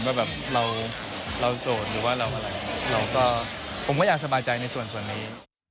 ว่าแบบเราโสดหรือว่าเราอะไรเราก็ผมก็อยากสบายใจในส่วนนี้